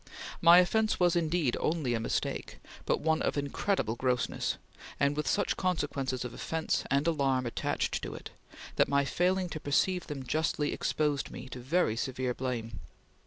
My offence was indeed only a mistake, but one of incredible grossness, and with such consequences of offence and alarm attached to it, that my failing to perceive them justly exposed me to very severe blame.